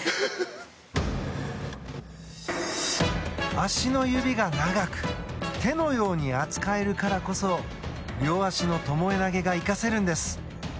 足の指が長く手のように扱えるからこそ両足のともえ投げが生かせるんです。